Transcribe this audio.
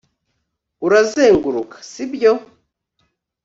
urazenguruka, si byo